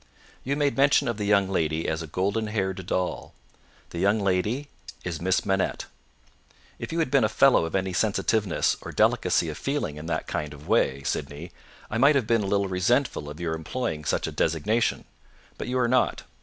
"You made mention of the young lady as a golden haired doll. The young lady is Miss Manette. If you had been a fellow of any sensitiveness or delicacy of feeling in that kind of way, Sydney, I might have been a little resentful of your employing such a designation; but you are not.